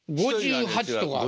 ５８とか。